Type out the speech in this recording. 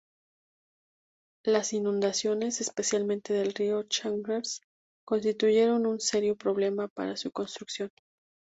Las inundaciones, especialmente del Río Chagres, constituyeron un serio problema para su construcción.